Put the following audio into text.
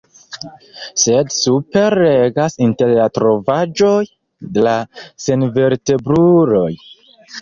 Sed superregas inter la trovaĵoj la senvertebruloj.